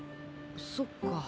そっか。